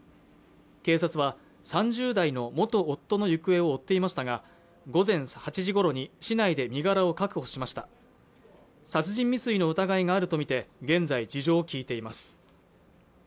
警察は３０代の元夫の行方を追っていましたが午前８時ごろに市内で身柄を確保しました殺人未遂の疑いがあると見て現在事情を聞いています